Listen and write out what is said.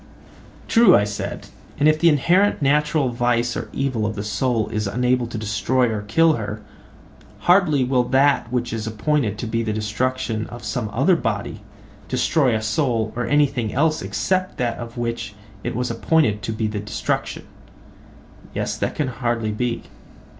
True, I said; if the inherent natural vice or evil of the soul is unable to kill or destroy her, hardly will that which is appointed to be the destruction of some other body, destroy a soul or anything else except that of which it was appointed to be the destruction. Yes, that can hardly be.